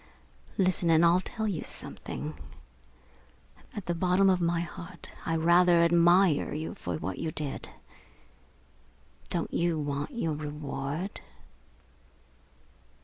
Listen and I'll tell you something at the bottom of my heart I rather admire you for what you did. Don't you want your reward?"